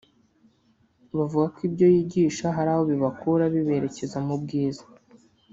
bavuga ko ibyo yigisha hari aho bibakura biberekeza mu bwiza